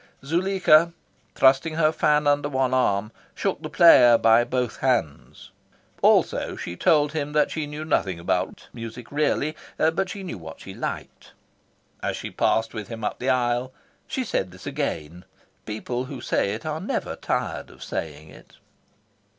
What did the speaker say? Zuleika, thrusting her fan under one arm, shook the player by both hands. Also, she told him that she knew nothing about music really, but that she knew what she liked. As she passed with him up the aisle, she said this again. People who say it are never tired of saying it.